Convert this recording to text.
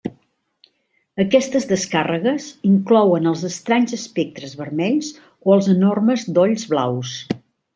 Aquestes descàrregues inclouen els estranys espectres vermells o els enormes dolls blaus.